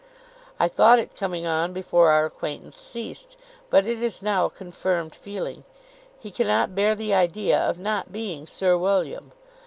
I thought it coming on before our acquaintance ceased, but it is now a confirmed feeling. He cannot bear the idea of not being Sir William.